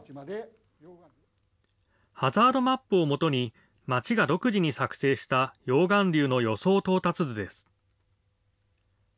ハザードマップをもとに、町が独自に作成した溶岩流の予想到達図です。